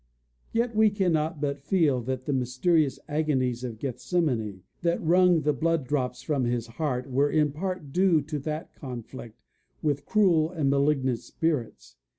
Yet we cannot but feel that the mysterious agonies of Gethsemane, that wrung the blood drops from his heart, were in part due to that conflict with cruel and malignant spirits.